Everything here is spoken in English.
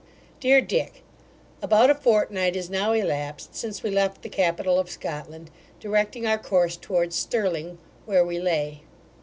DEAR DICK, About a fortnight is now elapsed, since we left the capital of Scotland, directing our course towards Stirling, where we lay.